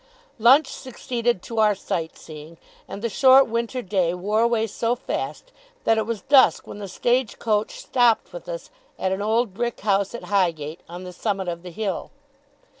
Lunch succeeded to our sight seeing, and the short winter day wore away so fast, that it was dusk when the stage coach stopped with us at an old brick house at Highgate on the summit of the hill.